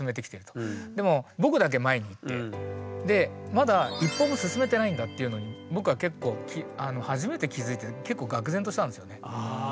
まだ一歩も進めてないんだっていうのに僕は結構初めて気づいて結構がく然としたんですよね。